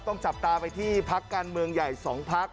ต้องจับตาไปที่พักการเมืองใหญ่๒พัก